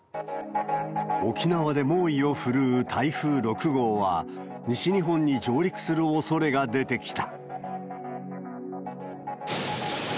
沖縄で猛威を振るう台風６号は、西日本に上陸するおそれが出てきた。